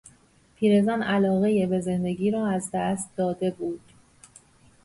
پیرزن علاقهی به زندگی را از دست داده بود.